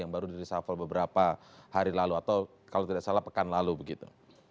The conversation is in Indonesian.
yang baru di reshuffle beberapa hari lalu atau kalau tidak salah pekan lalu begitu